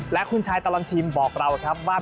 และคุณชายตลอดชิมบอกเราครับว่า